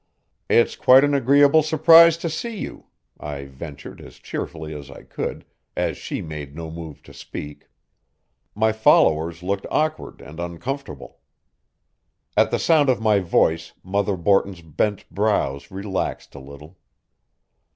"It's quite an agreeable surprise to see you," I ventured as cheerfully as I could, as she made no move to speak. My followers looked awkward and uncomfortable. At the sound of my voice, Mother Borton's bent brows relaxed a little.